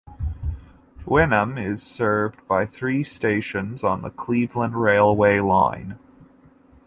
Wynnum is served by three stations on the Cleveland railway line.